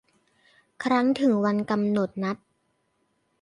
ครั้งถึงวันกำหนดนัด